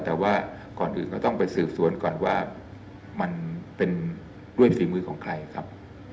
แต่ว่าก่อนอื่นก็ต้องไปสืบสวนก่อนว่ามันเป็นด้วยฝีมือของใครครับ